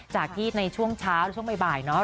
จากที่ในช่วงเช้าช่วงบ่ายเนาะ